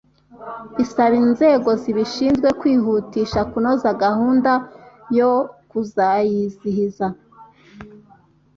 isaba inzego zibishinzwe kwihutisha kunoza gahunda yo kuzayizihiza